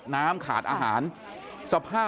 เพื่อนบ้านเจ้าหน้าที่อำรวจกู้ภัย